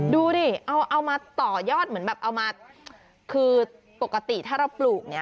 ดูดิเอามาต่อยอดเหมือนแบบเอามาคือปกติถ้าเราปลูกเนี่ย